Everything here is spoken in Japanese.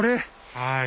はい。